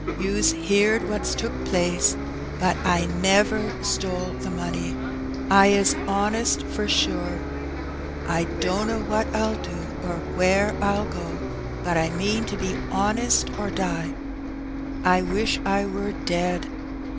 Ton's heerd what^s took plaas, but I newer stole the money. I is 'onest for shure; I dunno wat VYL do or whair I'll go; but I meen to be 'onest or die. I wish I war ded.